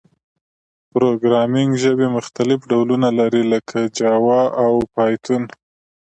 پروګرامینګ ژبي مختلف ډولونه لري، لکه جاوا او پایتون.